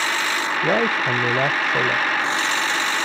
Wealth only lasts so long.